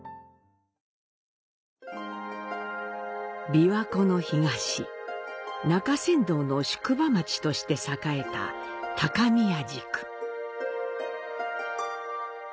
琵琶湖の東、中山道の宿場町として栄えた高宮宿。